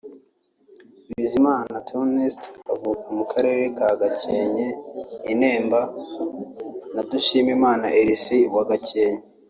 Bizimana Theoneste uvuka mu karere ka Gakenke i Ntemba na Dushimimana Elyise wa Gakenke